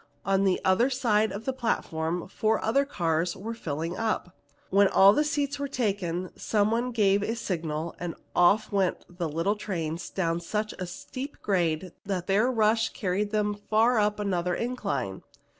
On the other side of the platform four other cars were filling up. When all the seats were taken, someone gave a signal and off went the little trains down such a steep grade that their rush carried them far up another incline.